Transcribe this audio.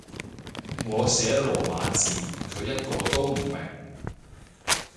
我寫羅馬字，佢一個都唔明